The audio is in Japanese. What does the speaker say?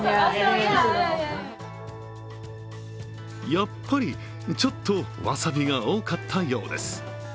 やっぱり、ちょっとわさびが多かったようです。